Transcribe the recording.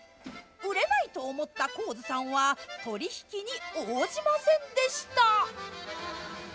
売れないと思った高津さんは取引に応じませんでした。